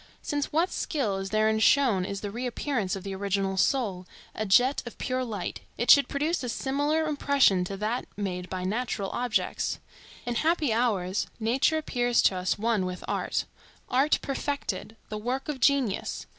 Since what skill is therein shown is the reappearance of the original soul, a jet of pure light, it should produce a similar impression to that made by natural objects. In happy hours, nature appears to us one with art; art perfected,—the work of genius.